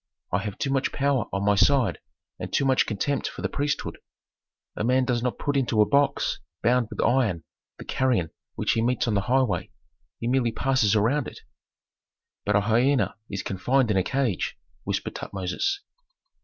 I have too much power on my side and too much contempt for the priesthood. A man does not put into a box bound with iron the carrion which he meets on the highway; he merely passes around it." "But a hyena is confined in a cage," whispered Tutmosis.